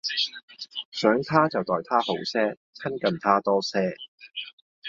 想他就待他好些，親近他多些